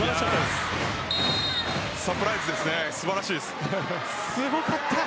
サプライズですね素晴らしいです。